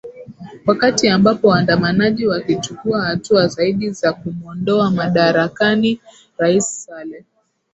wakati ambapo waandamanaji wakichukua hatua zaidi za kumwondoa madarakani rais salle